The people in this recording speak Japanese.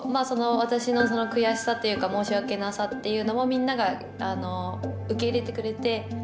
その私の悔しさというか申し訳なさっていうのをみんなが受け入れてくれて。